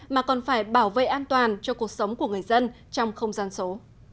mà còn phải bảo vệ an toàn cho cuộc sống của người dân trong không gian số